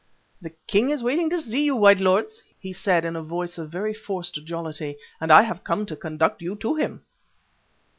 "The king is waiting to see you, white lords," he said in a voice of very forced jollity, "and I have come to conduct you to him."